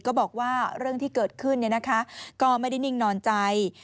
ก็บอกว่าเรื่องที่เกิดขึ้นก็ไม่ได้นิ่งนอนใจ